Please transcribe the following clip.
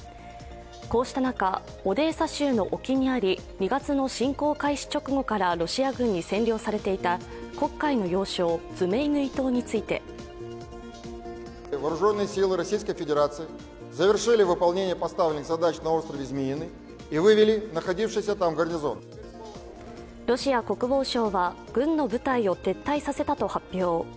こうした中、オデーサ州の沖にあり２月の侵攻開始直後からロシア軍に占領されていた黒海の要衝、ズメイヌイ島についてロシア国防省は軍の部隊を撤退させたと発表。